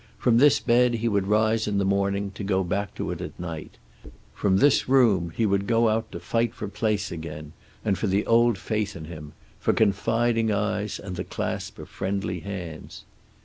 From this bed he would rise in the morning, to go back to it at night. From this room he would go out to fight for place again, and for the old faith in him, for confiding eyes and the clasp of friendly hands.